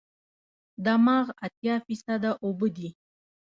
دماغ اتیا فیصده اوبه دي.